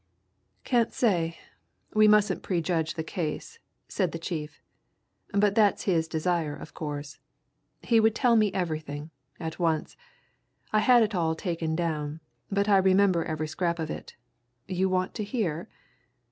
"Can't say we mustn't prejudge the case," said the chief. "But that's his desire of course. He would tell me everything at once. I had it all taken down. But I remember every scrap of it. You want to hear?